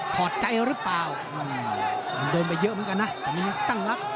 ถอดใจหรือเปล่าโดนไปเยอะเหมือนกันนะแต่มันยังตั้งหลัก